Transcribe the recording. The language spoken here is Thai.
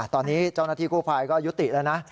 ตอนนี้เจ้าหน้าที่กู้ภัยก็ยุติแล้วนะ